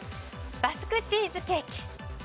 バスクチーズケーキ。